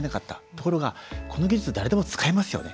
ところが、この技術誰でも使えますよね。